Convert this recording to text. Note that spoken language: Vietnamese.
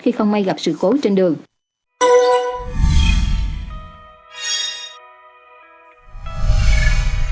khi không may gặp sự cố trên đường